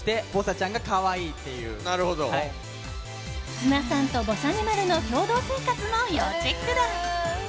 綱さんとぼさにまるの共同生活も要チェックだ。